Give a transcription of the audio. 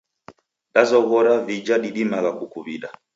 Dazoghora vija didimagha kukuw'ida.